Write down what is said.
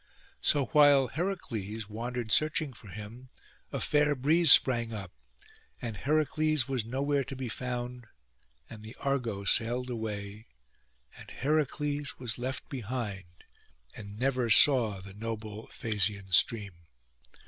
So while Heracles wandered searching for him, a fair breeze sprang up, and Heracles was nowhere to be found; and the Argo sailed away, and Heracles was left behind, and never saw the noble Phasian stream.